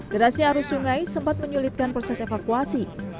derasnya arus sungai sempat menyulitkan proses evakuasi